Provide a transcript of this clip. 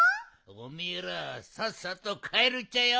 おめえらさっさとかえるっちゃよ！